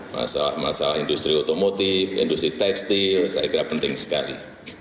masalah masalah industri otomotif industri tekstil saya kira penting sekali